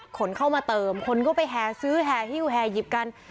ขนเข้ามาเติมคนก็ไปแฮร์ซื้อแฮร์หิวแฮร์หยิบกัน